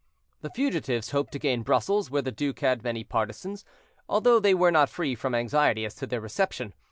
The fugitives hoped to gain Brussels, where the duke had many partisans, although they were not free from anxiety as to their reception.